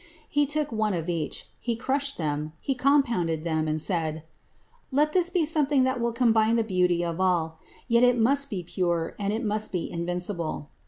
He took one of each; he crushed them; he compounded them, and said: "Let this be something that will combine the beauty of all; yet it must be pure, and it must be invincible."